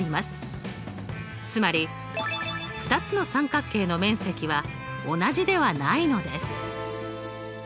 つまり２つの三角形の面積は同じではないのです。